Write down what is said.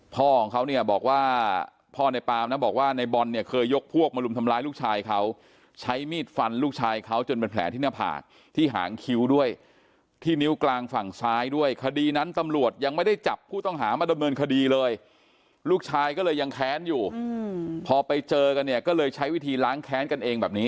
พ่อของเขาเนี่ยบอกว่าพ่อในปามนะบอกว่าในบอลเนี่ยเคยยกพวกมารุมทำร้ายลูกชายเขาใช้มีดฟันลูกชายเขาจนเป็นแผลที่หน้าผากที่หางคิ้วด้วยที่นิ้วกลางฝั่งซ้ายด้วยคดีนั้นตำรวจยังไม่ได้จับผู้ต้องหามาดำเนินคดีเลยลูกชายก็เลยยังแค้นอยู่พอไปเจอกันเนี่ยก็เลยใช้วิธีล้างแค้นกันเองแบบนี้